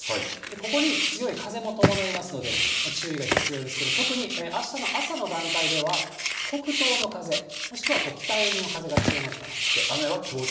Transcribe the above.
ここに強い風も伴いますので、注意が必要ですけれども、特にあしたの朝の段階では、北東の風、もしくは北寄りの風が強まるかなと。